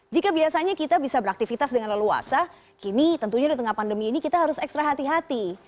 jika biasanya kita bisa beraktivitas dengan leluasa kini tentunya di tengah pandemi ini kita harus ekstra hati hati